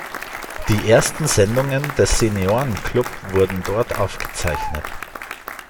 Die ersten Sendungen des "Seniorenclub" wurden dort aufgezeichnet.